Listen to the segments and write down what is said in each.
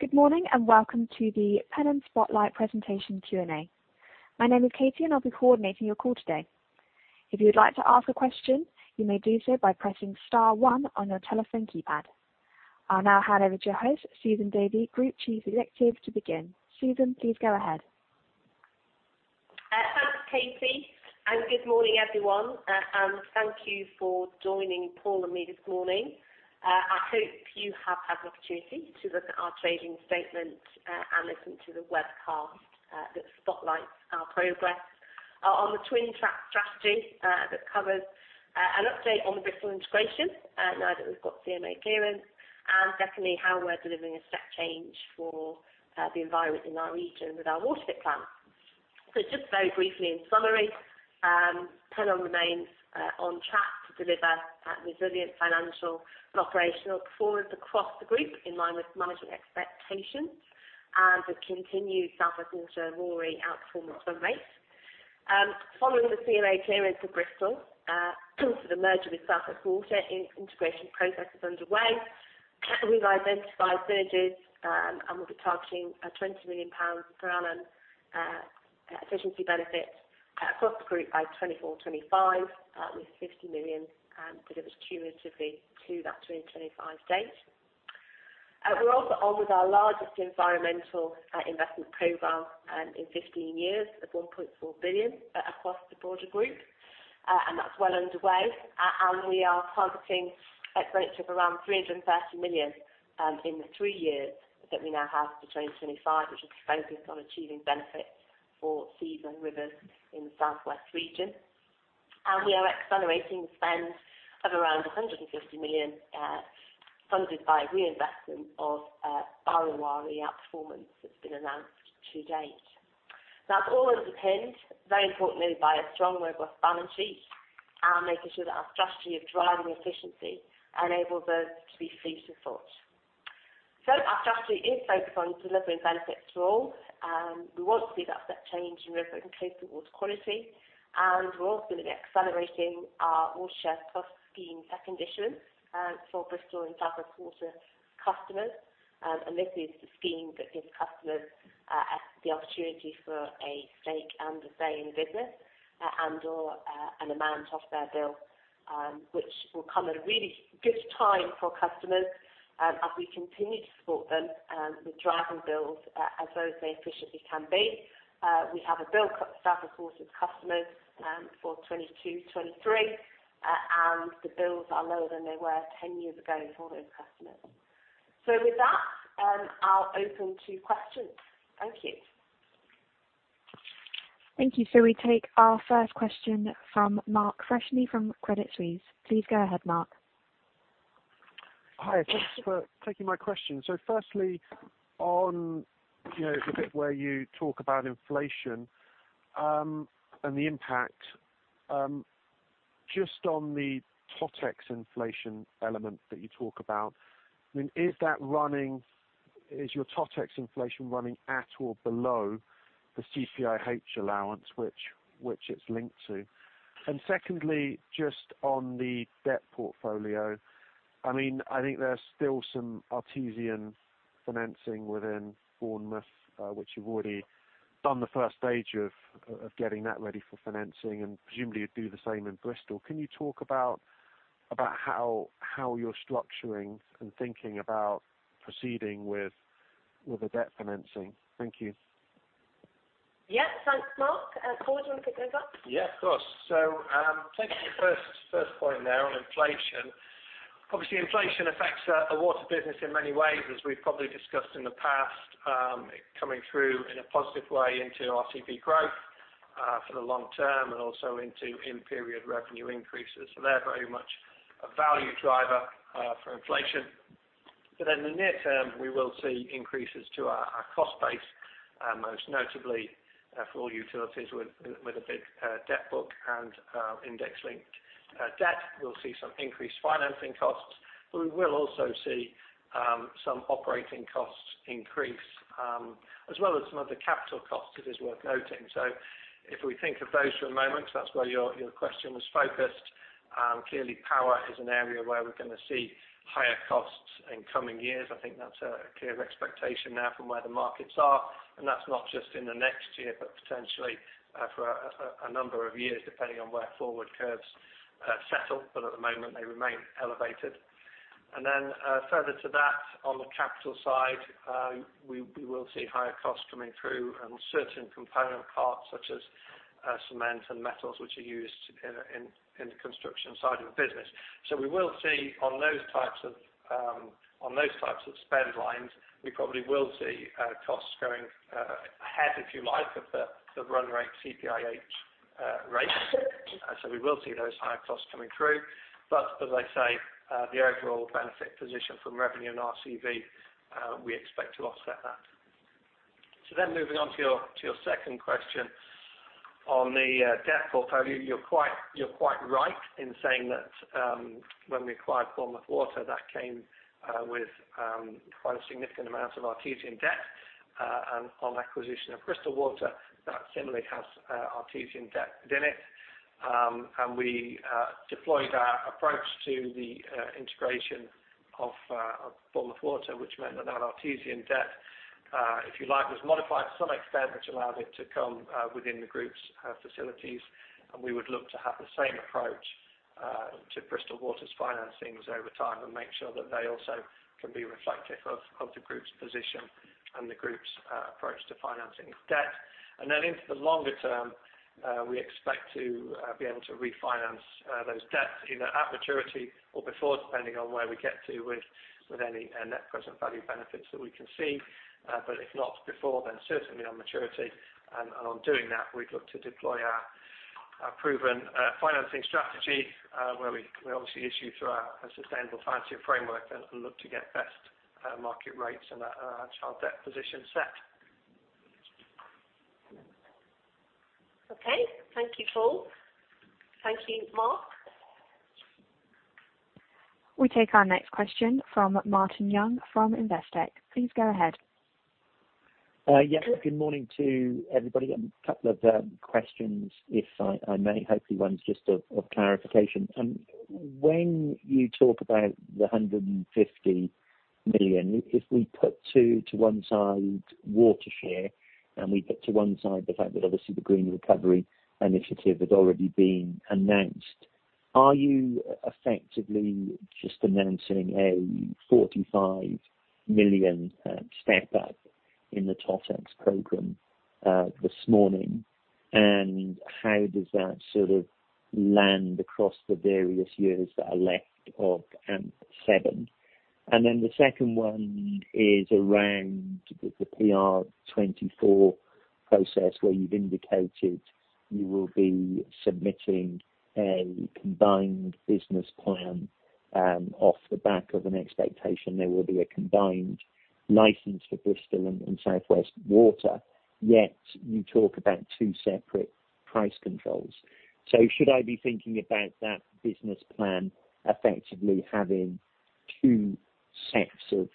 Good morning, and welcome to the Pennon Spotlight Presentation Q&A. My name is Katie, and I'll be coordinating your call today. If you would like to ask a question, you may do so by pressing star one on your telephone keypad. I'll now hand over to your host, Susan Davy, Group Chief Executive, to begin. Susan, please go ahead. Thanks, Katie, and good morning, everyone, and thank you for joining Paul and me this morning. I hope you have had an opportunity to look at our trading statement, and listen to the webcast, that spotlights our progress, on the twin track strategy, that covers, an update on the Bristol integration, now that we've got CMA clearance, and definitely how we're delivering a step change for, the environment in our region with our WaterFit plan. Just very briefly in summary, Pennon remains on track to deliver resilient financial and operational performance across the group in line with managing expectations. With continued South West Water RORE outperformance from rates. Following the CMA clearance of Bristol, for the merger with South West Water, integration process is underway. We've identified synergies, and we'll be targeting a 20 million pounds per annum efficiency benefit across the group by 2024-2025, with 50 million delivered cumulatively to that 2025 date. We're also on with our largest environmental investment program in 15 years of 1.4 billion across the broader group. That's well underway. We are targeting expenditure of around 330 million in the three years that we now have to 2025, which is focused on achieving benefits for seas and rivers in the Southwest region. We are accelerating spend of around 150 million, funded by reinvestment of our RII outperformance that's been announced to date. That's all underpinned, very importantly, by a strong and robust balance sheet and making sure that our strategy of driving efficiency enables us to be fleet of foot. Our strategy is focused on delivering benefits to all, and we want to see that step change in river and coastal water quality. We're also going to be accelerating our WaterShare+ scheme second edition for Bristol and South West Water customers. This is the scheme that gives customers the opportunity for a stake and a say in the business, and/or an amount off their bill, which will come at a really good time for customers, as we continue to support them with driving bills as low as they efficiently can be. We have a bill for South West Water customers for 2022-2023, and the bills are lower than they were ten years ago for those customers. With that, I'll open to questions. Thank you. Thank you. We take our first question from Mark Freshney from Credit Suisse. Please go ahead, Mark. Hi. Yeah. Thanks for taking my question. Firstly, on, you know, the bit where you talk about inflation, and the impact, just on the Totex inflation element that you talk about, I mean, is your Totex inflation running at or below the CPIH allowance which it's linked to? Secondly, just on the debt portfolio, I mean, I think there's still some Artesian financing within Bournemouth, which you've already done the first stage of getting that ready for financing and presumably do the same in Bristol. Can you talk about how you're structuring and thinking about proceeding with the debt financing? Thank you. Yeah. Thanks, Mark. Paul, do you want to pick those up? Yeah, of course. Taking the first point there on inflation. Obviously, inflation affects a water business in many ways, as we've probably discussed in the past, coming through in a positive way into RCV growth for the long term and also into in-period revenue increases. They're very much a value driver for inflation. But in the near term, we will see increases to our cost base, most notably for all utilities with a big debt book and index-linked debt. We'll see some increased financing costs, but we will also see some operating costs increase as well as some of the capital costs. It is worth noting. If we think of those for a moment, that's where your question was focused. Clearly, power is an area where we're gonna see higher costs in coming years. I think that's a clear expectation now from where the markets are. That's not just in the next year, but potentially for a number of years, depending on where forward curves settle. At the moment, they remain elevated. Further to that, on the capital side, we will see higher costs coming through on certain component parts, such as cement and metals, which are used in the construction side of the business. We will see on those types of spend lines we probably will see costs going ahead, if you like, of the run rate CPIH rate. We will see those higher costs coming through. As I say, the overall benefit position from revenue and RCV, we expect to offset that. Moving on to your second question on the debt portfolio. You're quite right in saying that, when we acquired Bournemouth Water, that came with quite a significant amount of Artesian debt. And on acquisition of Bristol Water, that similarly has Artesian debt within it. And we deployed our approach to the integration Of Bournemouth Water, which meant that our Artesian debt, if you like, was modified to some extent, which allowed it to come within the group's facilities. We would look to have the same approach to Bristol Water's financings over time and make sure that they also can be reflective of the group's position and the group's approach to financing its debt. Then into the longer term, we expect to be able to refinance those debts, either at maturity or before, depending on where we get to with any net present value benefits that we can see. But if not before, then certainly on maturity. On doing that, we'd look to deploy our proven financing strategy, where we can obviously issue through our Sustainable Financing Framework and look to get best market rates and our gilt debt position set. Okay. Thank you, Paul. Thank you, Mark. We take our next question from Martin Young from Investec. Please go ahead. Yes. Good morning to everybody. A couple of questions if I may. Hopefully, one's just of clarification. When you talk about the 150 million, if we put to one side WaterShare, and we put to one side the fact that obviously the Green Recovery Initiative has already been announced, are you effectively just announcing a 45 million step-up in the Totex program this morning? And how does that sort of land across the various years that are left of AMP7? And then the second one is around the PR24 process, where you've indicated you will be submitting a combined business plan off the back of an expectation there will be a combined license for Bristol Water and South West Water. Yet you talk about two separate price controls. Should I be thinking about that business plan effectively having two sets of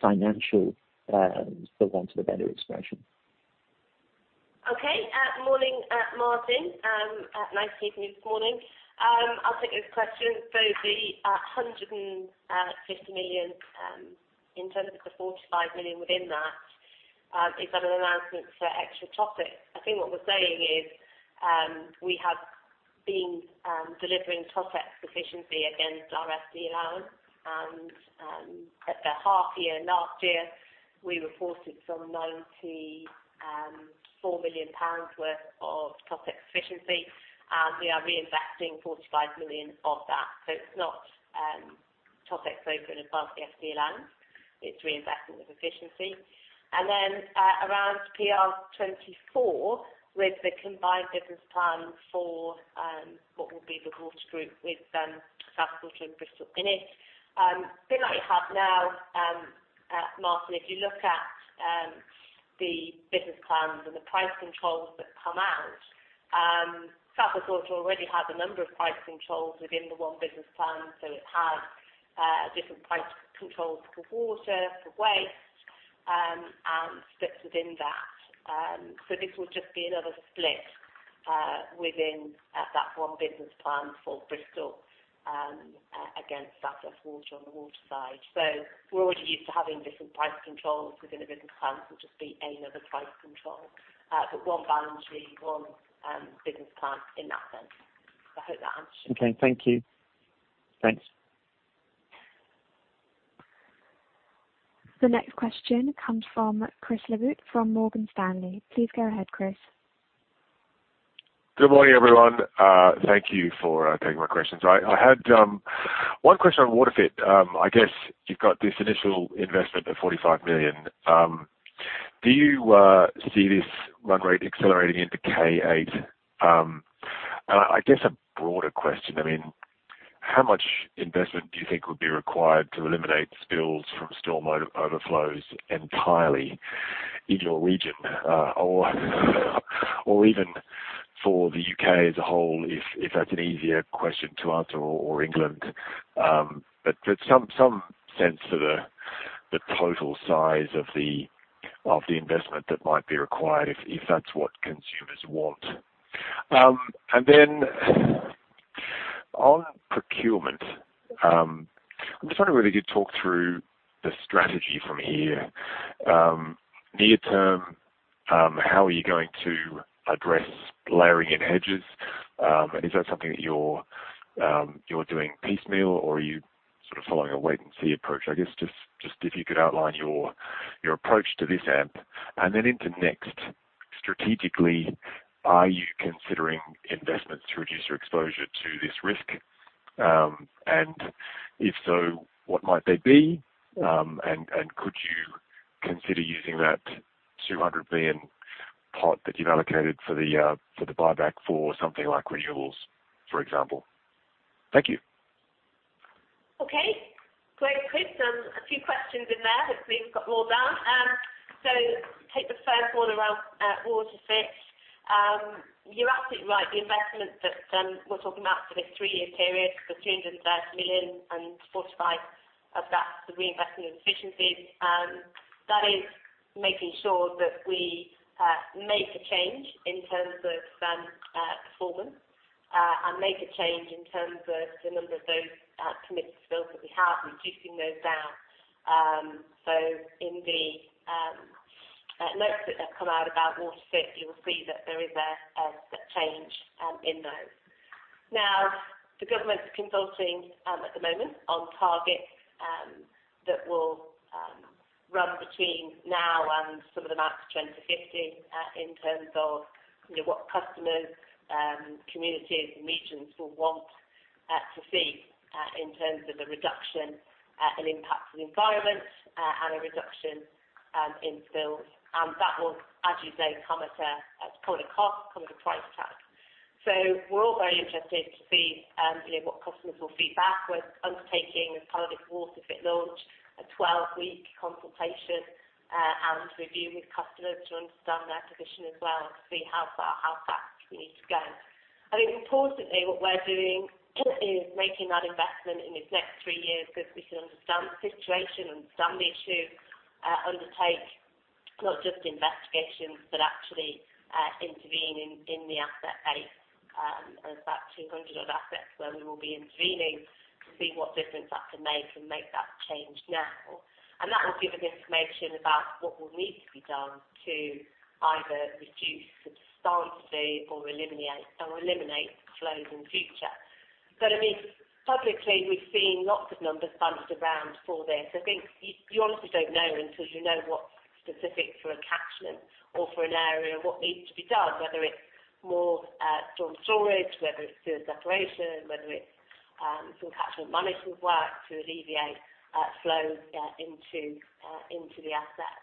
financial, for want of a better expression? Okay. Morning, Martin. Nice to hear from you this morning. I'll take those questions. The 150 million, in terms of the 45 million within that, is that an announcement for extra Totex? I think what we're saying is we have been delivering Totex efficiently against our SD allowance. At the half year last year, we reported some ninety four million pounds worth of Totex efficiency, and we are reinvesting 45 million of that. It's not Totex program above the SD allowance. It's reinvestment of efficiency. Around PR24, with the combined business plan for what will be the water group with South West Water and Bristol in it, a bit like it has now, Martin, if you look at the business plans and the price controls that come out, South West Water already has a number of price controls within the one business plan, so it has different price controls for water, for waste, and splits within that. This will just be another split within that one business plan for Bristol against South West Water on the water side. We're already used to having different price controls within a business plan. This will just be another price control. One balance sheet, one business plan in that sense. I hope that answers your question. Okay, thank you. Thanks. The next question comes from Chris Sherwood from Morgan Stanley. Please go ahead, Chris. Good morning, everyone. Thank you for taking my questions. I had one question on WaterFit. I guess you've got this initial investment of 45 million. Do you see this run rate accelerating into K8? I guess a broader question, I mean, how much investment do you think would be required to eliminate spills from storm water overflows entirely in your region? Or even for the U.K. as a whole, if that's an easier question to answer, or England. But some sense for the total size of the investment that might be required if that's what consumers want. And then on procurement, I'm just wondering whether you could talk through the strategy from here. Near term, how are you going to address layering in hedges? Is that something that you're doing piecemeal, or are you sort of following a wait and see approach? I guess just if you could outline your approach to this AMP. Then into next, strategically, are you considering investments to reduce your exposure to this risk? And if so, what might they be? And could you consider using that 200 million pot that you've allocated for the buyback for something like renewables, for example? Thank you. Okay. Great, Chris. A few questions in there. Hopefully, we've got them all down. So take the first one around WaterFit. You're absolutely right. The investment that we're talking about for this three-year period, the 230 million and 45 million of that for reinvestment and efficiency, that is making sure that we make a change in terms of performance. And make a change in terms of the number of those committed spills that we have, reducing those down. So in the notes that have come out about WaterFit, you will see that there is a change in those. Now, the government's consulting at the moment on targets that will run between now and sort of March 2050 in terms of, you know, what customers, communities and regions will want to see in terms of the reduction and impact to the environment and a reduction in spills. That will, as you say, come at quite a cost, quite a price tag. We're all very interested to see, you know, what customers will feed back. We're undertaking as part of this WaterFit launch, a 12-week consultation and review with customers to understand their position as well and see how fast we need to go. I think importantly, what we're doing is making that investment in these next three years because we can understand the situation, understand the issue, undertake not just investigations, but actually, intervening in the asset base. There's about 200-odd assets where we will be intervening to see what difference that can make and make that change now. That will give us information about what will need to be done to either reduce substantially or eliminate flows in future. I mean, publicly, we've seen lots of numbers bandied around for this. I think you honestly don't know until you know what's specific for a catchment or for an area, what needs to be done, whether it's more storm storage, whether it's sewer separation, whether it's some catchment management work to alleviate flow into the asset.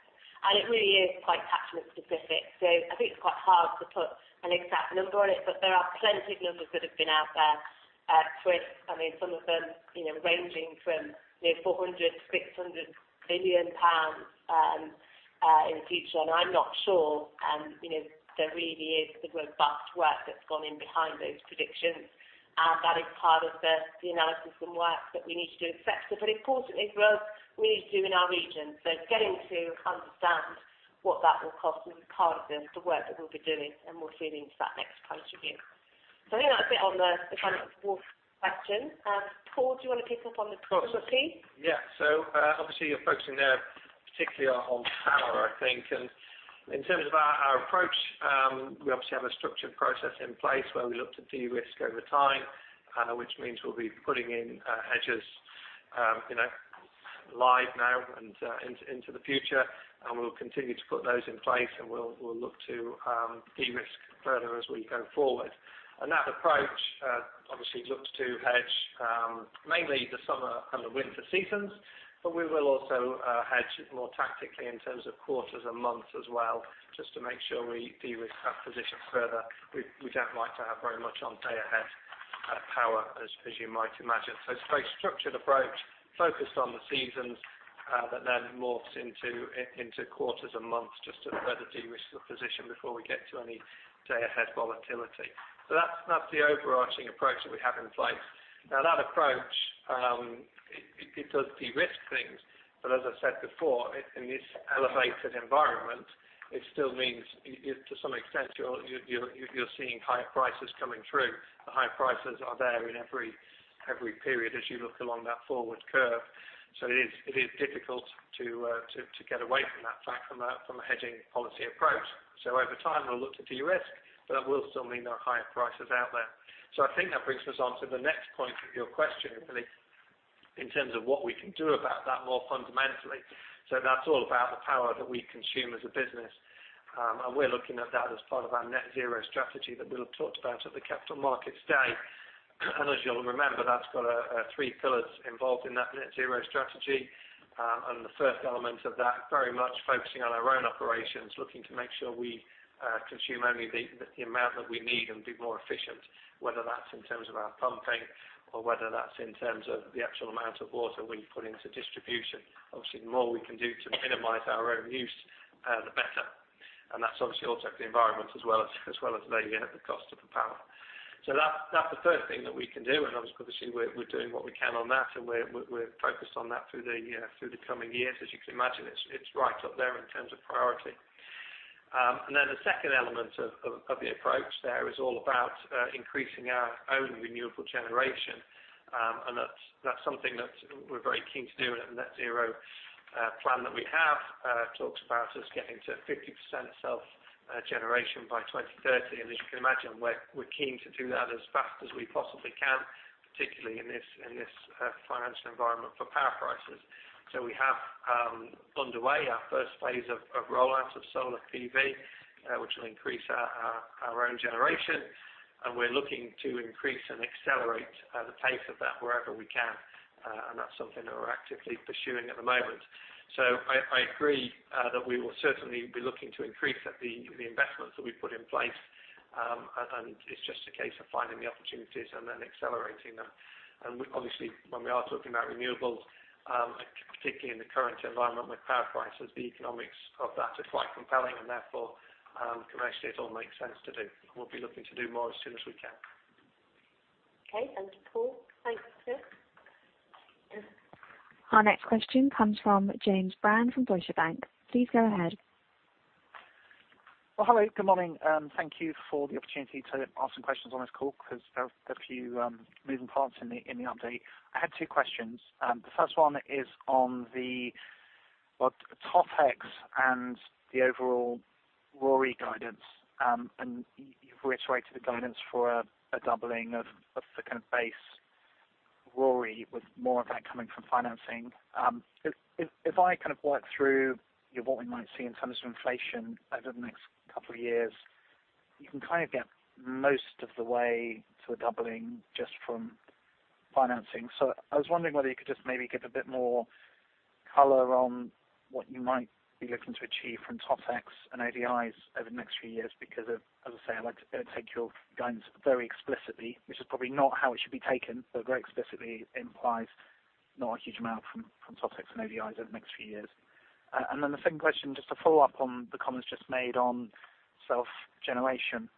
It really is quite catchment specific. I think it's quite hard to put an exact number on it, but there are plenty of numbers that have been out there. Chris, I mean, some of them, you know, ranging from, you know, 400 billion-600 billion pounds in future. I'm not sure, you know, there really is the robust work that's gone in behind those predictions. That is part of the analysis and work that we need to do at [Sevco], but importantly as well we need to do in our region. Getting to understand what that will cost will be part of the work that we'll be doing, and we'll feed into that next price review. I think that's a bit on the kind of water question. Paul, do you wanna pick up on the customer piece? Of course. Yeah. Obviously, you're focusing there particularly on power, I think. In terms of our approach, we obviously have a structured process in place where we look to de-risk over time, which means we'll be putting in hedges, you know, live now and into the future. We'll continue to put those in place, and we'll look to de-risk further as we go forward. That approach obviously looks to hedge mainly the summer and the winter seasons, but we will also hedge more tactically in terms of quarters and months as well, just to make sure we de-risk that position further. We don't like to have very much on day ahead power as you might imagine. It's a very structured approach, focused on the seasons, that then morphs into quarters and months just to further de-risk the position before we get to any day ahead volatility. That's the overarching approach that we have in place. Now that approach does de-risk things, but as I said before, in this elevated environment, it still means to some extent you're seeing higher prices coming through. The higher prices are there in every period as you look along that forward curve. It is difficult to get away from that fact, from a hedging policy approach. Over time, we'll look to de-risk, but that will still mean there are higher prices out there. I think that brings us on to the next point of your question, really, in terms of what we can do about that more fundamentally. That's all about the power that we consume as a business. We're looking at that as part of our Net Zero strategy that Will talked about at the Capital Markets Day. As you'll remember, that's got three pillars involved in that Net Zero strategy. The first element of that, very much focusing on our own operations, looking to make sure we consume only the amount that we need and be more efficient, whether that's in terms of our pumping or whether that's in terms of the actual amount of water we put into distribution. Obviously, the more we can do to minimize our own use, the better. That's obviously also the environment as well as laying in the cost of the power. That's the first thing that we can do. Obviously, we're doing what we can on that, and we're focused on that through the coming years. As you can imagine, it's right up there in terms of priority. The second element of the approach there is all about increasing our own renewable generation. That's something that we're very keen to do, and the Net Zero plan that we have talks about us getting to 50% self generation by 2030. As you can imagine, we're keen to do that as fast as we possibly can, particularly in this financial environment for power prices. We have underway our first phase of rollout of solar PV, which will increase our own generation, and we're looking to increase and accelerate the pace of that wherever we can. That's something that we're actively pursuing at the moment. I agree that we will certainly be looking to increase the investments that we put in place, and it's just a case of finding the opportunity and then accelerating them. We obviously, when we are talking about renewables, particularly in the current environment with power prices, the economics of that are quite compelling and therefore, commercially it all makes sense to do. We'll be looking to do more as soon as we can. Okay, thank you, Paul. Thanks, Chris. Our next question comes from James Brand from Deutsche Bank. Please go ahead. Well, hello. Good morning, and thank you for the opportunity to ask some questions on this call because there are a few moving parts in the update. I had two questions. The first one is on the, well, Totex and the overall RORE guidance, and you've reiterated the guidance for a doubling of the kind of base RORE with more of that coming from financing. If I kind of work through your what we might see in terms of inflation over the next couple of years, you can kind of get most of the way to a doubling just from financing. I was wondering whether you could just maybe give a bit more color on what you might be looking to achieve from Totex and ODIs over the next few years because, as I say, I like to take your guidance very explicitly, which is probably not how it should be taken, but very explicitly implies not a huge amount from Totex and ODIs over the next few years. And then the second question, just to follow up on the comments just made on self-generation,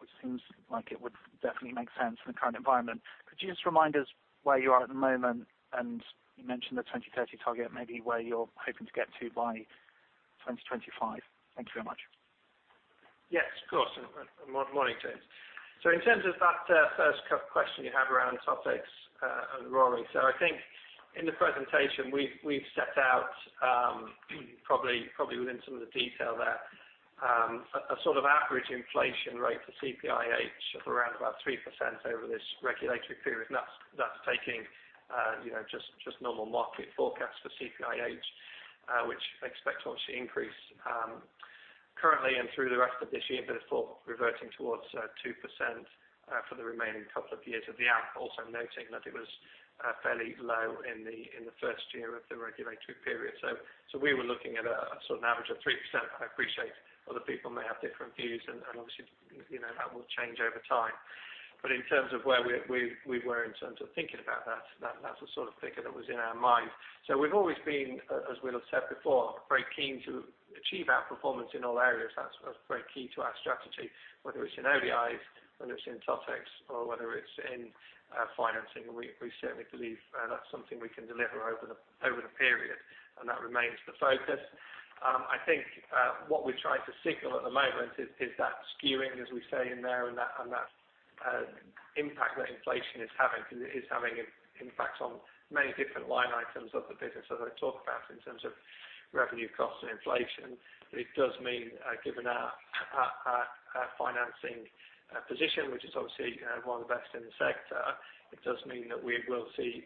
which seems like it would definitely make sense in the current environment. Could you just remind us where you are at the moment? And you mentioned the 2030 target, maybe where you're hoping to get to by 2025. Thank you very much. Yes, of course. Morning to you. In terms of that, first question you have around Totex and RORE. I think in the presentation, we've set out probably within some of the detail there a sort of average inflation rate for CPIH of around about 3% over this regulatory period. That's taking you know just normal market forecasts for CPIH which I expect obviously increase currently and through the rest of this year, but it's thought reverting towards 2% for the remaining couple of years of the AMP. Also noting that it was fairly low in the first year of the regulatory period. We were looking at a sort of average of 3%. I appreciate other people may have different views and obviously, you know, that will change over time. In terms of where we were in terms of thinking about that's the sort of figure that was in our mind. We've always been, as Will has said before, very keen to achieve outperformance in all areas. That's very key to our strategy, whether it's in ODIs, whether it's in Totex, or whether it's in financing. We certainly believe that's something we can deliver over the period, and that remains the focus. I think what we're trying to signal at the moment is that skewing, as we say in there, and that impact that inflation is having an impact on many different line items of the business as I talk about in terms of revenue costs and inflation. It does mean, given our financing position, which is obviously one of the best in the sector, it does mean that we will see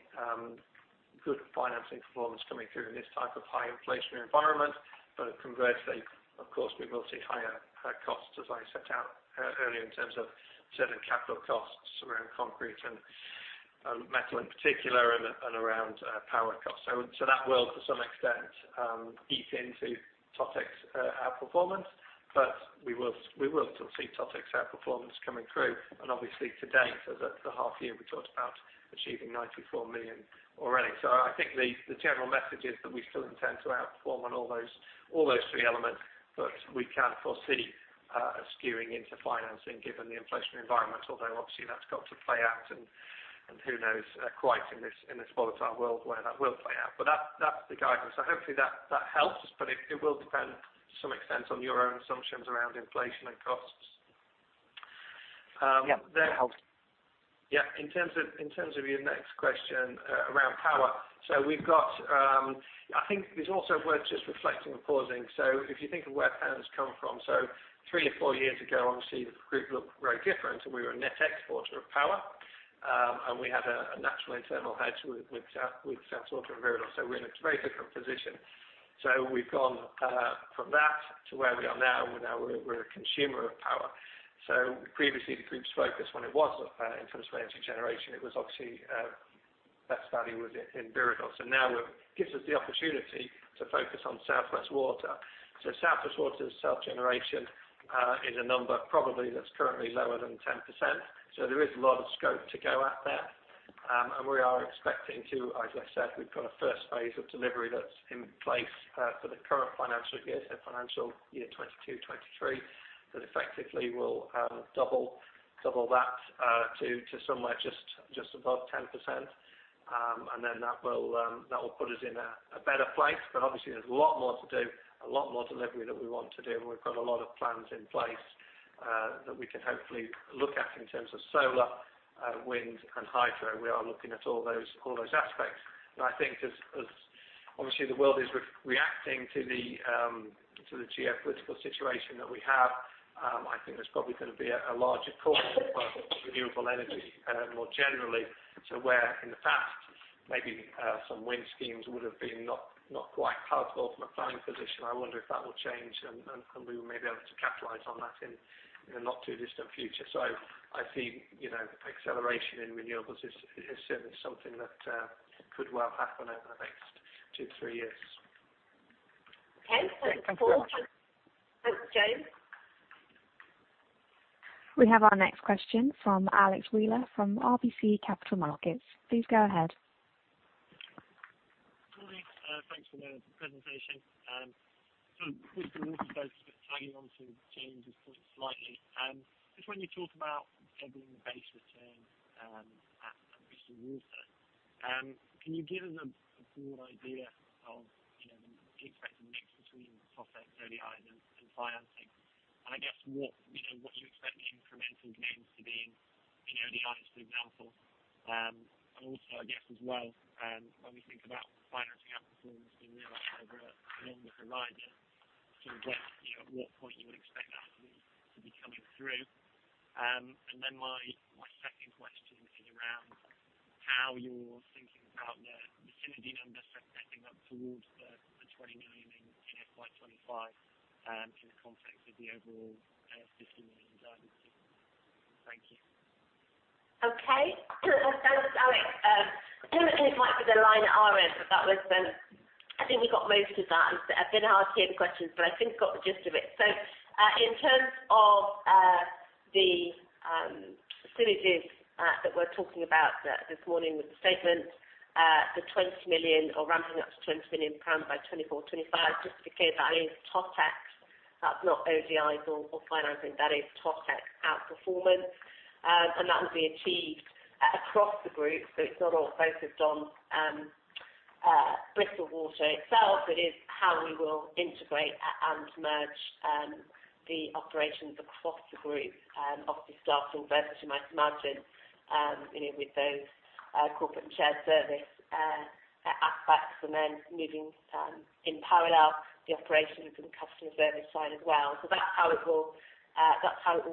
good financing performance coming through in this type of high inflationary environment. But conversely, of course, we will see higher costs as I set out earlier in terms of certain capital costs around concrete and metal in particular and around power costs. That will to some extent eat into Totex outperformance, but we will still see Totex outperformance coming through. Obviously to date for the half year, we talked about achieving 94 million already. I think the general message is that we still intend to outperform on all those three elements, but we can foresee a skewing into financing given the inflationary environment. Although obviously that's got to play out and who knows quite in this volatile world where that will play out. That's the guidance. Hopefully that helps, but it will depend to some extent on your own assumptions around inflation and costs. Yeah, that helps. Yeah. In terms of your next question around power. I think it's also worth just reflecting and pausing. If you think of where Pennon has come from, three to fout years ago, obviously the group looked very different, and we were a net exporter of power. We had a natural internal hedge with South West Water and Viridor. We're in a very different position. We've gone from that to where we are now, where now we're a consumer of power. Previously the group's focus when it was in terms of energy generation, it was obviously best value was in Viridor. Now it gives us the opportunity to focus on South West Water. South West Water's self-generation is a number probably that's currently lower than 10%. There is a lot of scope to go at there. We are expecting to, as I said, we've got a first phase of delivery that's in place for the current financial year, so financial year 2022-2023, that effectively will double that to somewhere just above 10%. Then that will put us in a better place. But obviously there's a lot more to do, a lot more delivery that we want to do, and we've got a lot of plans in place that we can hopefully look at in terms of solar, wind and hydro. We are looking at all those aspects. I think as obviously the world is reacting to the geopolitical situation that we have, I think there's probably gonna be a larger call for renewable energy more generally to where in the past maybe some wind schemes would have been not quite palatable from a planning position. I wonder if that will change and we may be able to capitalize on that in a not too distant future. I see, you know, acceleration in renewables is certainly something that could well happen over the next two, three years. Okay. Thank you very much. Thanks, James. We have our next question from Alexander Wheeler from RBC Capital Markets. Please go ahead. Morning. Thanks for the presentation. Just tagging on to James' point slightly. Just when you talk about doubling the base return at Bristol Water, can you give us a broad idea of, you know, the expected mix between Totex, ODIs, and financing? And I guess what, you know, what you expect the incremental gains to be in, you know, ODIs, for example. And also I guess as well, when we think about financing outperformance being realized over a longer horizon to get, you know, at what point you would expect that to be coming through. And then my second question is around how you're thinking about the synergy numbers stepping up towards the GBP 20 million in FY 2025, in the context of the overall GBP 50 million guidance. Thank you. Okay. Thanks, Alex. There was a bit of a line at our end, but I think we got most of that. It's been hard to hear the questions, but I think we got the gist of it. In terms of the synergies that we're talking about this morning with the statement, the 20 million or ramping up to 20 million pounds by 2024, 2025, just to be clear, that is Totex. That's not ODIs or financing. That is Totex outperformance. And that will be achieved across the group, so it's not all focused on Bristol Water itself. It is how we will integrate and merge the operations across the group, obviously starting with us, as you might imagine, you know, with those corporate and shared service aspects. Moving in parallel the operations and customer service side as well. That's how it will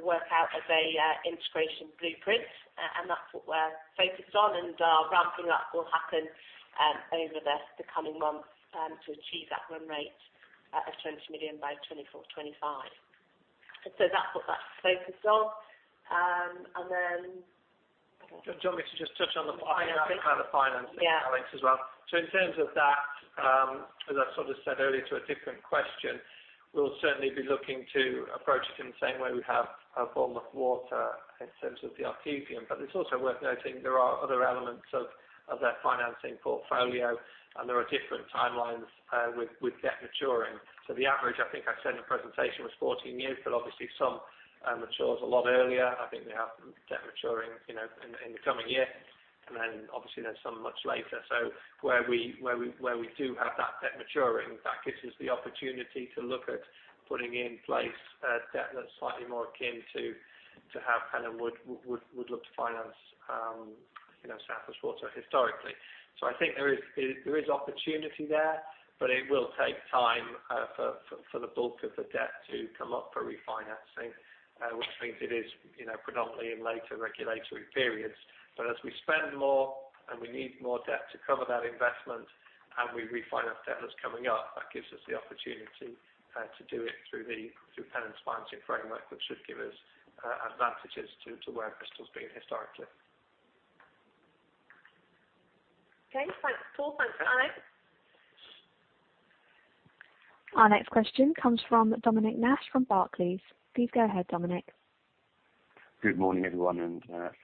work out as a integration blueprint. That's what we're focused on, and ramping up will happen over the coming months to achieve that run rate of 20 million by 2024-2025. That's what that's focused on. Do you want me to just touch on the financing, Alex, as well? Yeah. In terms of that, as I sort of said earlier to a different question, we'll certainly be looking to approach it in the same way we have at Bournemouth Water in terms of the Artesian. It's also worth noting there are other elements of their financing portfolio, and there are different timelines with debt maturing. The average, I think I said in the presentation, was 14 years, but obviously some matures a lot earlier. I think they have debt maturing, you know, in the coming year, and then obviously there's some much later. Where we do have that debt maturing, that gives us the opportunity to look at putting in place a debt that's slightly more akin to how Pennon would look to finance, you know, South West Water historically. I think there is opportunity there, but it will take time for the bulk of the debt to come up for refinancing, which means it is, you know, predominantly in later regulatory periods. As we spend more and we need more debt to cover that investment and we refinance debt that's coming up, that gives us the opportunity to do it through Pennon's Financing Framework, which should give us advantages to where Bristol's been historically. Okay. Thanks, Paul. Thanks, Alex. Our next question comes from Dominic Nash from Barclays. Please go ahead, Dominic. Good morning, everyone, and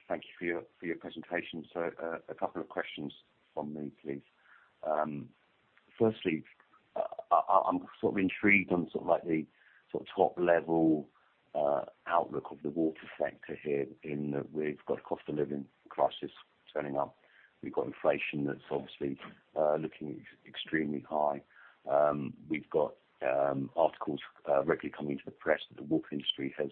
thank you for your presentation. A couple of questions from me, please. Firstly, I'm sort of intrigued on sort of like the sort of top level outlook of the water sector here in that we've got cost of living crisis turning up. We've got inflation that's obviously looking extremely high. We've got articles regularly coming to the press that the water industry has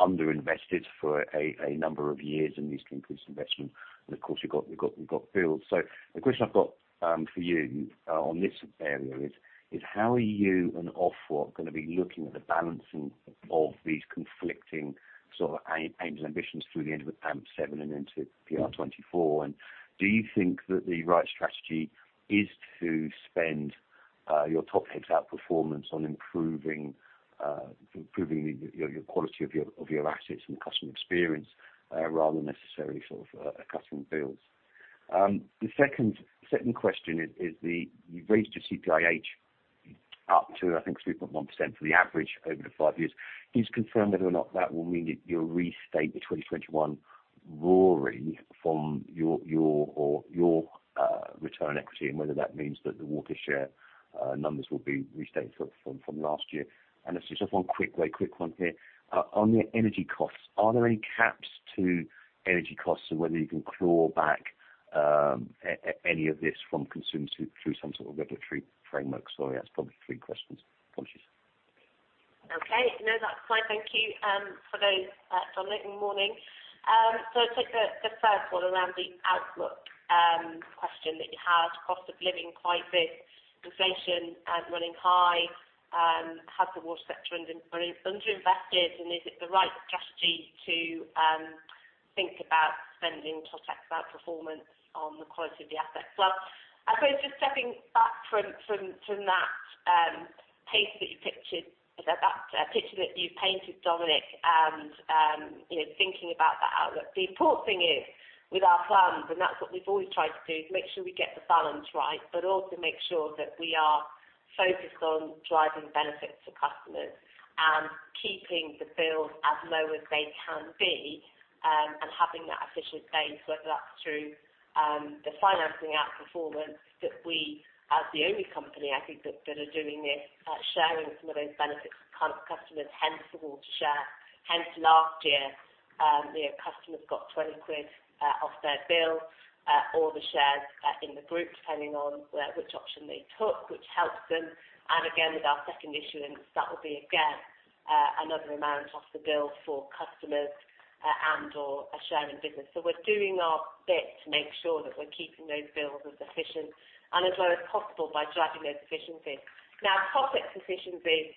underinvested for a number of years and needs to increase investment. Of course, we've got bills. The question I've got for you on this area is how are you and Ofwat gonna be looking at the balancing of these conflicting sort of aims and ambitions through the end of AMP7 and into PR24? Do you think that the right strategy is to spend your Totex outperformance on improving your quality of your assets and customer experience rather than necessarily sort of cutting bills? The second question is the... You've raised your CPIH up to, I think, 3.1% for the average over the five years. Please confirm whether or not that will mean you'll restate the 2021 RORE from your return on equity, and whether that means that the WaterShare numbers will be restated from last year. Just one quick, very quick one here. On your energy costs, are there any caps to energy costs and whether you can claw back any of this from consumers through some sort of regulatory framework? Sorry, that's probably three questions. Apologies. Okay. No, that's fine. Thank you for those, Dominic, and morning. I'll take the first one around the outlook question that you had. Cost of living quite big. Inflation running high. Has the water sector underinvested, and is it the right strategy to think about spending Totex outperformance on the quality of the assets? Well, I suppose just stepping back from that pace that you pictured, that picture that you painted, Dominic, and you know, thinking about that outlook. The important thing is with our plans, and that's what we've always tried to do, is make sure we get the balance right, but also make sure that we are focused on driving benefits for customers and keeping the bills as low as they can be, efficiencies based, whether that's through the financing outperformance that we as the only company, I think, that are doing this, sharing some of those benefits with customers, hence the WaterShare. Hence last year, you know, customers got 20 quid off their bill, or the shares in the group, depending on which option they took, which helps them. Again, with our second issuance, that will be again another amount off the bill for customers, and or a share in the business. We're doing our bit to make sure that we're keeping those bills as efficient and as low as possible by driving those efficiencies. Now, OpEx efficiencies,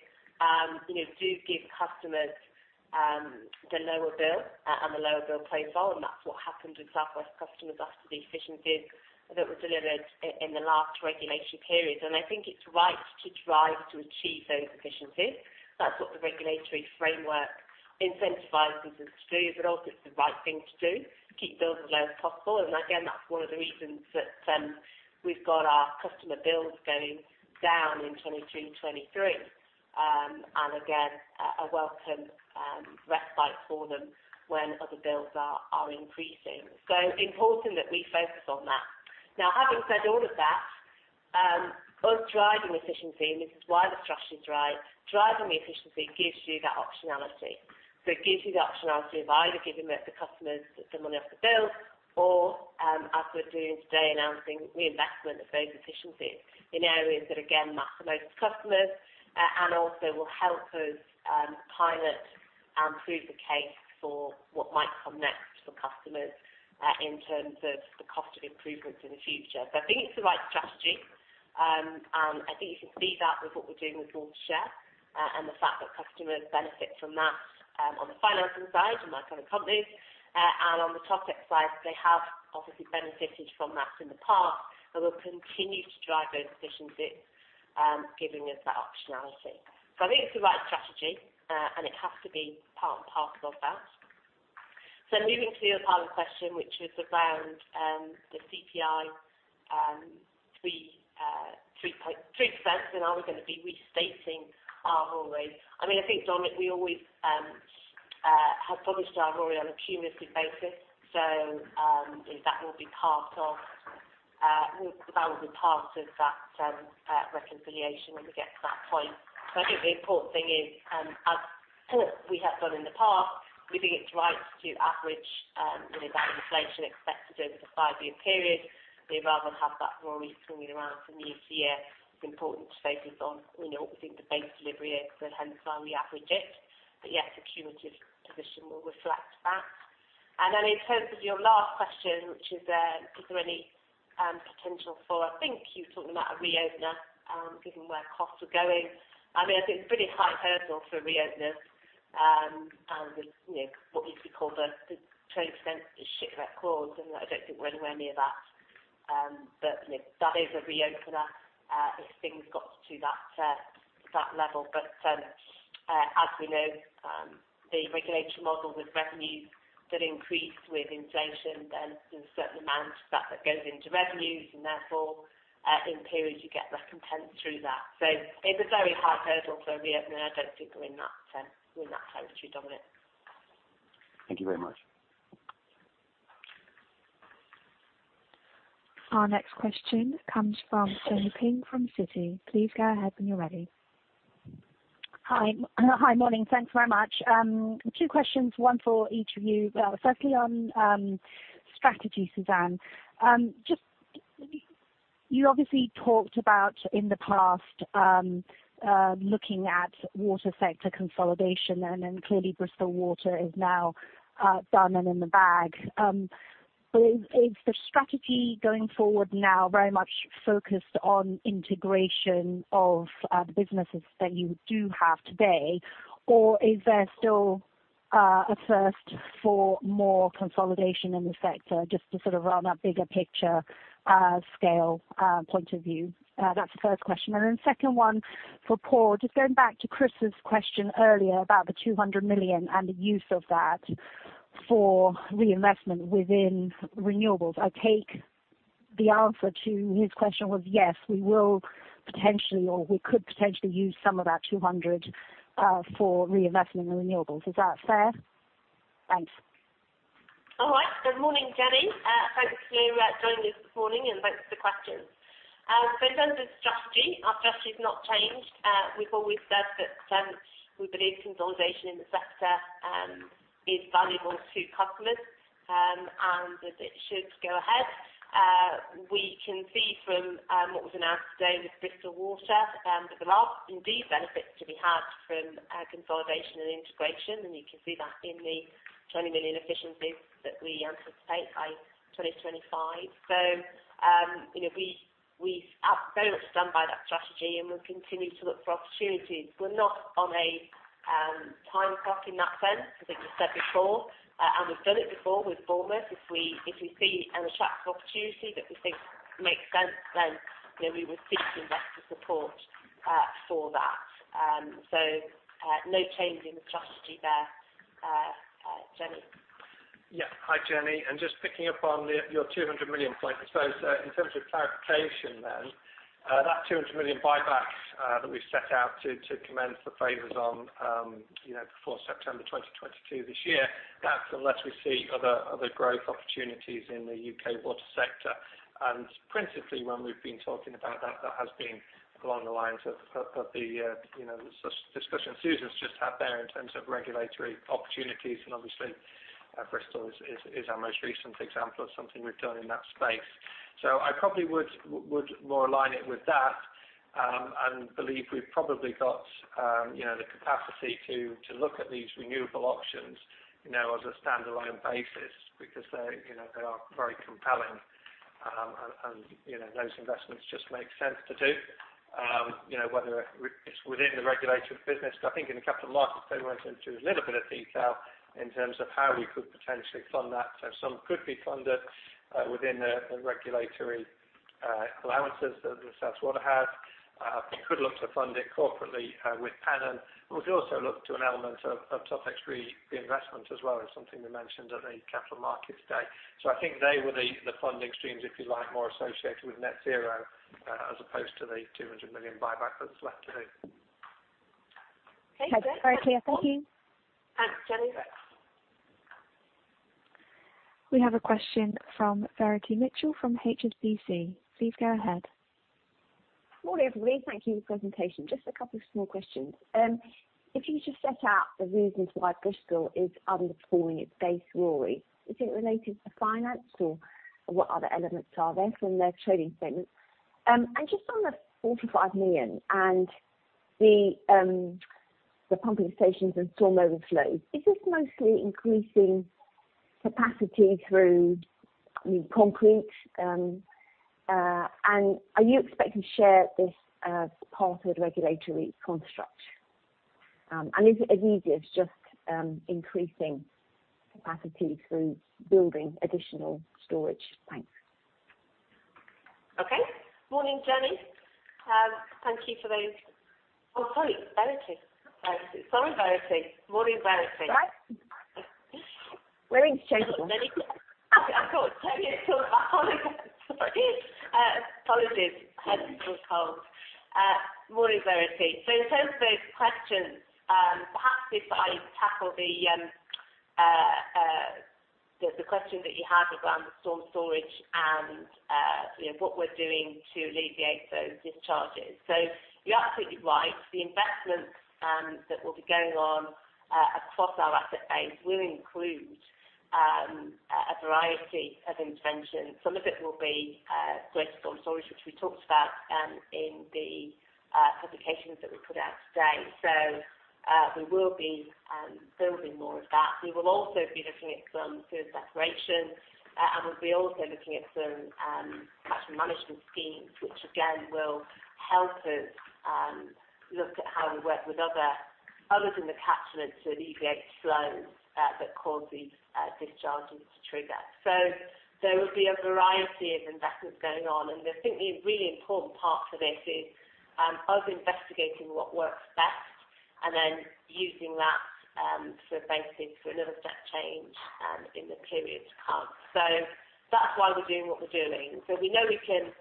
you know, do give customers the lower bill and the lower bill profile, and that's what happened with South West customers after the efficiencies that were delivered in the last regulation period. I think it's right to try to achieve those efficiencies. That's what the regulatory framework incentivizes us to do, but also it's the right thing to do to keep bills as low as possible. Again, that's one of the reasons that we've got our customer bills going down in 2022, 2023. And again, a welcome respite for them when other bills are increasing. Important that we focus on that. Now, having said all of that, us driving efficiency, and this is why the strategy is right, driving the efficiency gives you that optionality. It gives you the optionality of either giving the customers the money off the bill or, as we're doing today, announcing reinvestment of those efficiencies in areas that again maximize customers, and also will help us, pilot and prove the case for what might come next for customers, in terms of the cost of improvements in the future. I think it's the right strategy, and I think you can see that with what we're doing with WaterShare, and the fact that customers benefit from that, on the financing side and like other companies. On the OpEx side, they have obviously benefited from that in the past and will continue to drive those efficiencies, giving us that optionality. I think it's the right strategy, and it has to be part and parcel of that. Moving to the other part of the question, which is around the CPI, 3%, and are we going to be restating our RORE rate? I mean, I think, Dominic, we always have published our RORE rate on a cumulative basis. If that will be part of, well, that will be part of that reconciliation when we get to that point. I think the important thing is, as per we have done in the past, we think it's right to average, you know, that inflation expected over the five-year period, we'd rather have that RORE rate coming around for me this year. It's important to focus on, you know, what we think the base delivery is, so hence why we average it. Yes, the cumulative position will reflect that. Then in terms of your last question, which is there any potential for, I think you're talking about a reopener, given where costs are going. I mean, I think it's a pretty high hurdle for a reopener, and with, you know, what we call the 20% shipwreck clause, and I don't think we're anywhere near that. You know, that is a reopener if things got to that level. As we know, the regulatory model with revenues that increase with inflation, then there's a certain amount of that goes into revenues, and therefore, in periods you get recompense through that. It's a very high hurdle for a reopener. I don't think we're in that territory, Dominic. Thank you very much. Our next question comes from Jenny Ping from Citi. Please go ahead when you're ready. Hi. Hi, morning. Thanks very much. Two questions, one for each of you. Firstly on strategy, Susan. Just you obviously talked about in the past looking at water sector consolidation, and then clearly Bristol Water is now done and in the bag. Is the strategy going forward now very much focused on integration of the businesses that you do have today? Or is there still a thirst for more consolidation in the sector, just to sort of run that bigger picture scale point of view? That's the first question. Second one for Paul, just going back to Chris's question earlier about the 200 million and the use of that for reinvestment within renewables. I take the answer to his question was yes, we will potentially or we could potentially use some of that 200 for reinvestment in renewables. Is that fair? Thanks. All right. Good morning, Jenny. Thanks for joining us this morning, and thanks for the questions. In terms of strategy, our strategy has not changed. We've always said that we believe consolidation in the sector is valuable to customers, and that it should go ahead. We can see from what was announced today with Bristol Water that there are indeed benefits to be had from consolidation and integration. You can see that in the 20 million efficiencies that we anticipate by 2025. You know, we very much stand by that strategy, and we'll continue to look for opportunities. We're not on a time clock in that sense, as I just said before, and we've done it before with Bournemouth. If we see an attractive opportunity that we think makes sense, then, you know, we would seek investor support for that. No change in the strategy there, Jenny. Yeah. Hi, Jenny. Just picking up on your 200 million point. I suppose in terms of clarification then, that 200 million buyback that we've set out to commence the phases on, you know, before September 2022 this year, that's unless we see other growth opportunities in the U.K. water sector. Principally, when we've been talking about that has been along the lines of the discussion Susan's just had there in terms of regulatory opportunities, and obviously, Bristol is our most recent example of something we've done in that space. I probably would more align it with that, and believe we've probably got, you know, the capacity to look at these renewable options, you know, as a standalone basis because they, you know, they are very compelling. You know, those investments just make sense to do, you know, whether it's within the regulated business. I think in the Capital Markets Day, they went into a little bit of detail in terms of how we could potentially fund that. Some could be funded within the regulatory allowances that South West Water has. We could look to fund it corporately with Pennon. We could also look to an element of Totex reinvestment as well, is something we mentioned at the Capital Markets Day. I think they were the funding streams, if you like, more associated with Net Zero, as opposed to the 200 million buyback that's left to do. Okay. Very clear. Thank you. Jenny Ping. We have a question from Verity Mitchell from HSBC. Please go ahead. Morning, everybody. Thank you for the presentation. Just a couple of small questions. If you just set out the reasons why Bristol is underperforming its base RORE, is it related to finance or what other elements are there from their trading statement? Just on the 45 million and the pumping stations and storm overflows, is this mostly increasing capacity through, I mean, concrete, and are you expecting to share this part of the regulatory construct? Is it as easy as just increasing capacity through building additional storage? Thanks. Okay. Morning, Jenny. Oh, sorry, Verity. Sorry, Verity. Morning, Verity. Right. Names changed. I thought Jenny had called. Sorry. Apologies. Had a little cold. Morning, Verity. In terms of those questions, perhaps if I tackle the question that you had around the storm storage and you know, what we're doing to alleviate those discharges. You're absolutely right. The investments that will be going on across our asset base will include a variety of interventions. Some of it will be greater storm storage, which we talked about in the publications that we put out today. We will be building more of that. We will also be looking at some sewer separation, and we'll be also looking at some catchment management schemes, which again will help us look at how we work with others in the catchment to alleviate flows that cause these discharges to trigger. There will be a variety of investments going on, and I think the really important part of this is us investigating what works best and then using that for a basis for another step change in the period to come. That's why we're doing what we're doing. We know we can,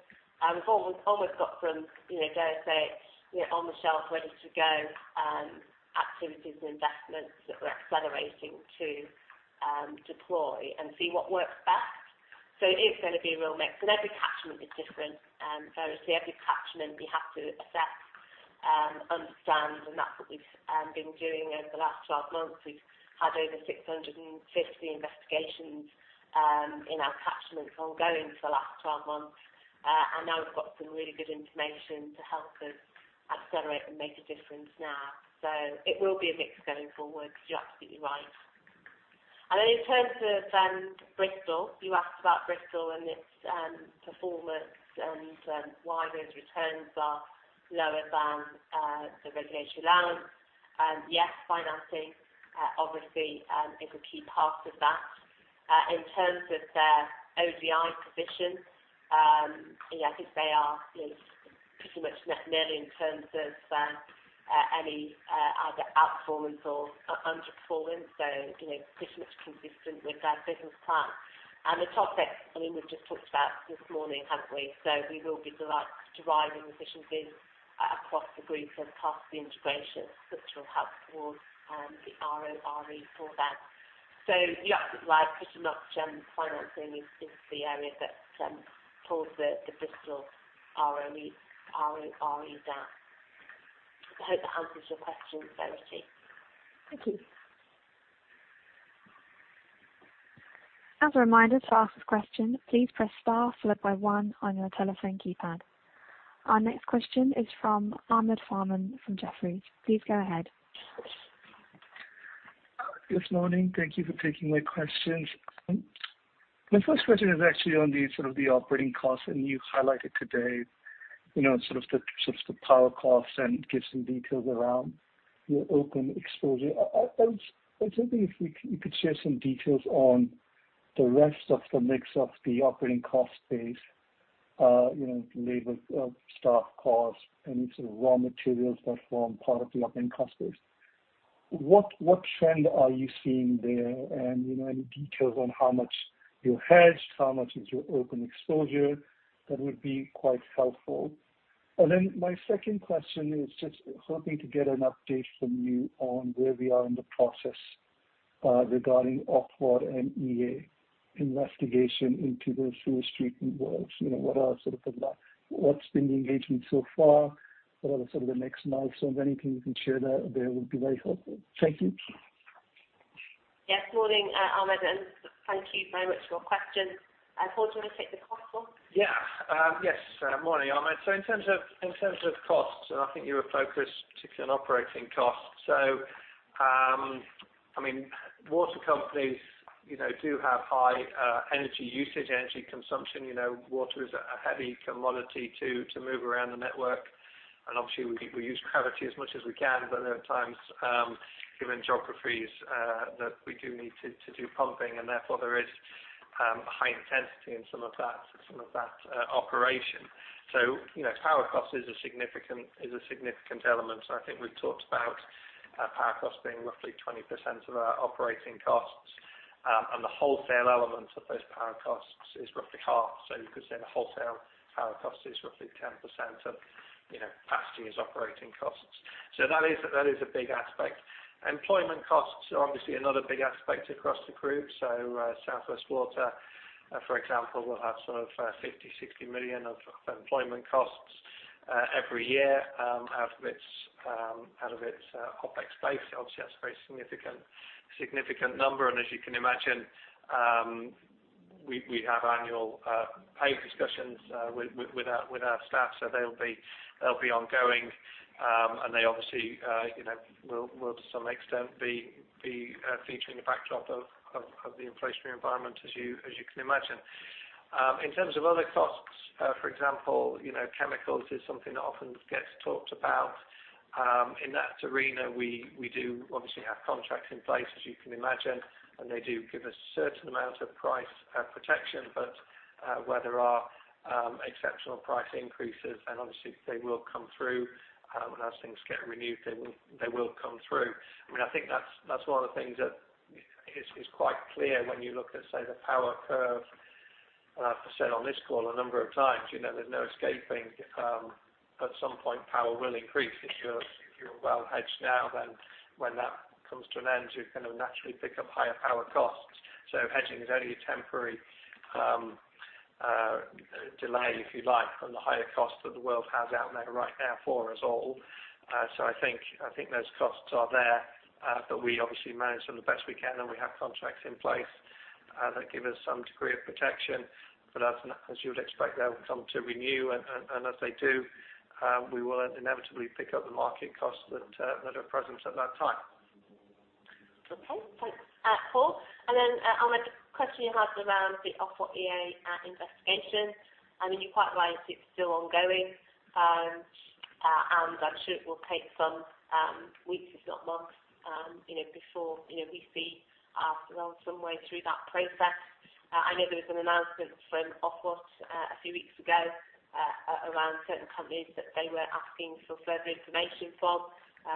we've almost got, you know, dare I say it, you know, on the shelf ready to go activities and investments that we're accelerating to deploy and see what works best. It is gonna be a real mix. Every catchment is different, Verity. Every catchment we have to assess, understand, and that's what we've been doing over the last 12 months. We've had over 650 investigations in our catchments ongoing for the last 12 months. Now we've got some really good information to help us accelerate and make a difference now. It will be a mix going forward. You're absolutely right. In terms of Bristol, you asked about Bristol and its performance and why those returns are lower than the regulatory allowance. Yes, financing obviously is a key part of that. In terms of their ODI position, yeah, I think they are, you know, pretty much net neutral in terms of any either outperformance or underperformance. You know, pretty much consistent with our business plan. The topic, I mean, we've just talked about this morning, haven't we? We will be deriving efficiencies across the group and post the integration, which will help towards the RORE for them. You're absolutely right. Pretty much, financing is the area that pulls the Bristol ROE, RORE down. I hope that answers your question, Verity. Thank you. As a reminder, to ask a question, please press star followed by one on your telephone keypad. Our next question is from Ahmed Farman from Jefferies. Please go ahead. Good morning. Thank you for taking my questions. My first question is actually on sort of the operating costs, and you highlighted today, you know, sort of the power costs and give some details around your open exposure. I was hoping if you could share some details on the rest of the mix of the operating cost base. You know, labor, staff costs, any sort of raw materials that form part of your end customers. What trend are you seeing there? You know, any details on how much you hedged, how much is your open exposure? That would be quite helpful. My second question is just hoping to get an update from you on where we are in the process, regarding Ofwat and EA investigation into those sewer street works. You know, what's been the engagement so far? What are sort of the next milestones? Anything you can share there would be very helpful. Thank you. Yes, morning, Ahmed, and thank you very much for your question. Paul, do you wanna take the cost one? Yeah. Yes, morning, Ahmed. In terms of costs, I think you were focused particularly on operating costs. I mean, water companies, you know, do have high energy usage, energy consumption. You know, water is a heavy commodity to move around the network. Obviously, we use gravity as much as we can, but there are times given geographies that we do need to do pumping, and therefore there is high intensity in some of that operation. You know, power cost is a significant element, and I think we've talked about power cost being roughly 20% of our operating costs. The wholesale element of those power costs is roughly half. You could say the wholesale power cost is roughly 10% of, you know, past years' operating costs. That is a big aspect. Employment costs are obviously another big aspect across the group. South West Water, for example, will have sort of 50 million-60 million of employment costs every year out of its OpEx base. Obviously, that's a very significant number. As you can imagine, we have annual pay discussions with our staff, so they'll be ongoing. They obviously, you know, will to some extent be featuring the backdrop of the inflationary environment as you can imagine. In terms of other costs, for example, you know, chemicals is something that often gets talked about. In that arena, we do obviously have contracts in place, as you can imagine, and they do give us a certain amount of price protection. Where there are exceptional price increases, then obviously they will come through. As things get renewed, they will come through. I mean, I think that's one of the things that is quite clear when you look at, say, the power curve. I've said on this call a number of times, you know, there's no escaping. At some point, power will increase. If you're well hedged now, then when that comes to an end, you're gonna naturally pick up higher power costs. Hedging is only a temporary delay, if you like, on the higher costs that the world has out there right now for us all. I think those costs are there, but we obviously manage them the best we can, and we have contracts in place that give us some degree of protection. As you would expect, they'll come to renew. As they do, we will inevitably pick up the market costs that are present at that time. Okay. Thanks, Paul. Then, Ahmed, the question you had around the Ofwat and EA investigation, I mean, you're quite right. It's still ongoing. I'm sure it will take some weeks, if not months, you know, before you know, we see well, some way through that process. I know there was an announcement from Ofwat a few weeks ago around certain companies that they were asking for further information from.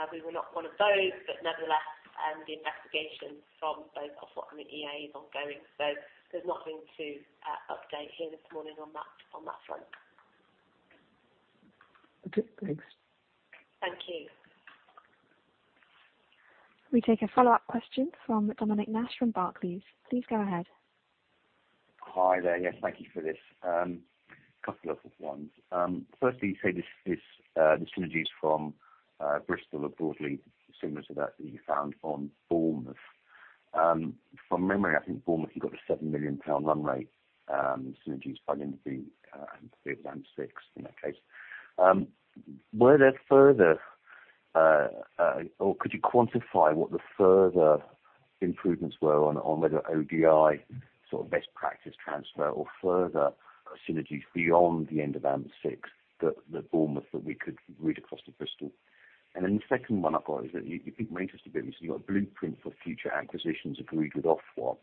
We were not one of those, but nevertheless, the investigation from both Ofwat and the EA is ongoing. So there's nothing to update here this morning on that front. Okay, thanks. Thank you. We take a follow-up question from Dominic Nash from Barclays. Please go ahead. Hi there. Yes, thank you for this. Couple of ones. Firstly, you say this, the synergies from Bristol are broadly similar to that you found on Bournemouth. From memory, I think Bournemouth, you got a 7 million pound run rate synergies by the end of year six in that case. Were there further or could you quantify what the further improvements were on whether ODI sort of best practice transfer or further synergies beyond the end of AMP6 that Bournemouth that we could read across to Bristol? The second one I've got is that you piqued my interest a bit when you said you've got a blueprint for future acquisitions agreed with Ofwat.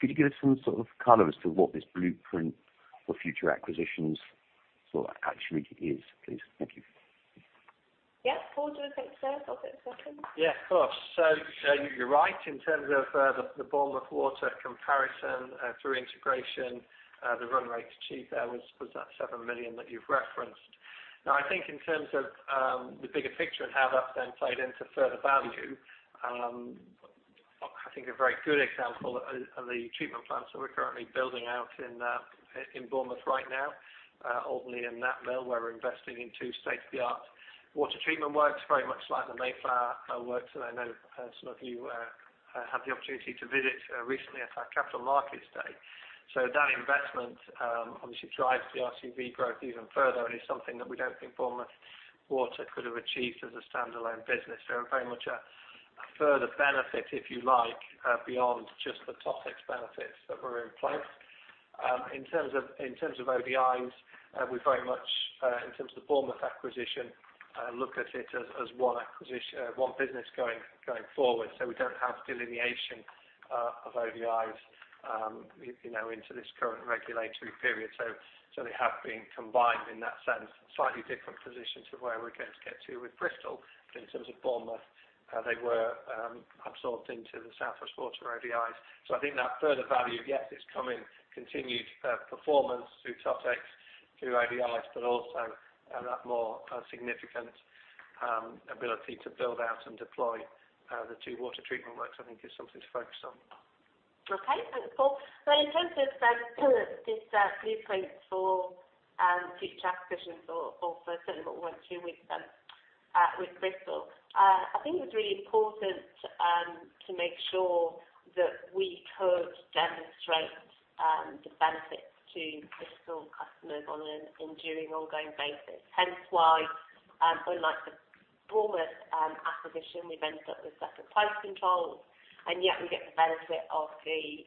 Could you give us some sort of color as to what this blueprint for future acquisitions sort of actually is, please? Thank you. Yeah. Paul, do you wanna take the first of the two? Yeah, of course. You're right in terms of the Bournemouth Water comparison through integration. The run rate achieved there was 7 million that you've referenced. Now, I think in terms of the bigger picture and how that's then played into further value. I think a very good example are the treatment plants that we're currently building out in Bournemouth right now, Alderney and Knapp Mill, where we're investing in 2 state-of-the-art water treatment works, very much like the Mayflower Works that I know some of you had the opportunity to visit recently at our Capital Markets Day. That investment obviously drives the RCV growth even further and is something that we don't think Bournemouth Water could have achieved as a standalone business. They're very much a further benefit, if you like, beyond just the top six benefits that were in place. In terms of ODIs, we very much, in terms of the Bournemouth acquisition, look at it as one business going forward. We don't have delineation of ODIs, you know, into this current regulatory period. They have been combined in that sense. Slightly different positions of where we're going to get to with Bristol. In terms of Bournemouth, they were absorbed into the South West Water ODIs. I think that further value, yes, it's coming. Continued performance through Totex, through ODIs, but also that more significant ability to build out and deploy the two water treatment works, I think is something to focus on. Okay, thanks, Paul. In terms of this blueprint for future acquisitions or for similar work too with Bristol, I think it's really important to make sure that we could demonstrate the benefits to Bristol customers on an enduring, ongoing basis. Hence why, unlike the Bournemouth acquisition, we've ended up with separate price controls, and yet we get the benefit of the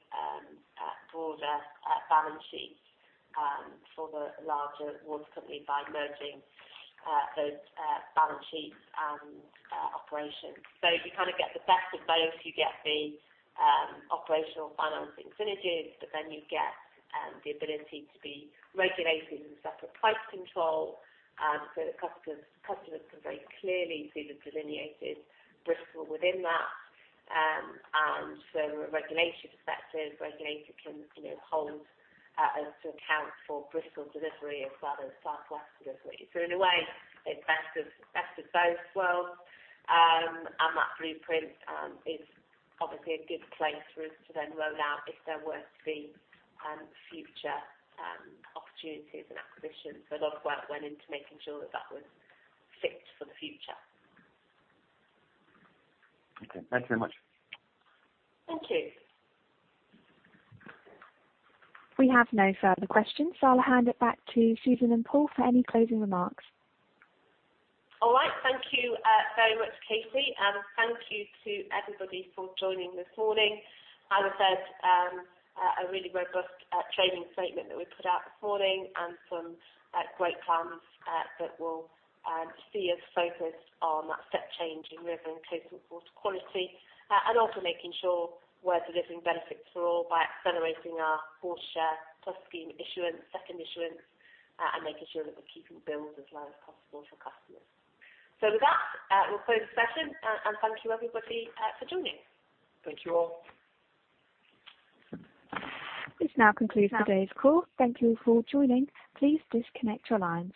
broader balance sheet for the larger water company by merging those balance sheets and operations. You kind of get the best of both. You get the operational financing synergies, but then you get the ability to be regulated in separate price controls. The customers can very clearly see the delineated Bristol within that. From a regulatory perspective, regulator can, you know, hold us to account for Bristol delivery as well as South West delivery. In a way, the best of both worlds. That blueprint is obviously a good place for us to then roll out if there were to be future opportunities and acquisitions. A lot of work went into making sure that that was fit for the future. Okay. Thanks very much. Thank you. We have no further questions, so I'll hand it back to Susan and Paul for any closing remarks. All right. Thank you very much, Katie, and thank you to everybody for joining this morning. As I said, a really robust trading statement that we put out this morning and some great plans that will see us focused on that step change in river and coastal water quality, and also making sure we're delivering benefits for all by accelerating our WaterShare+ scheme issuance, second issuance, and making sure that we're keeping bills as low as possible for customers. With that, we'll close the session, and thank you everybody for joining. Thank you all. This now concludes today's call. Thank you for joining. Please disconnect your lines.